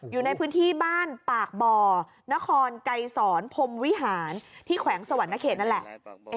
อยู่ในพื้นที่บ้านปากบ่อนครไกรศรพรมวิหารที่แขวงสวรรณเขตนั่นแหละ